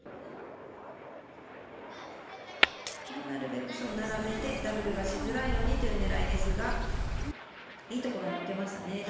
なるべく並べてダブルしづらいようにという狙いですがいいところに置けました。